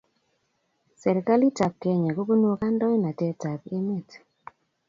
Serikalitab Kenya kobun kandoindetab emet